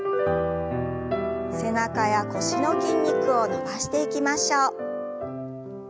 背中や腰の筋肉を伸ばしていきましょう。